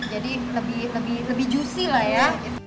jadi lebih juicy lah ya